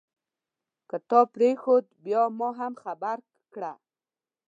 که تا پرېښود بیا ما هم خبر کړه.